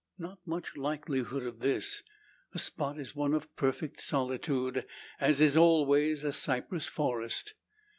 Not much likelihood of this. The spot is one of perfect solitude, as is always a cypress forest.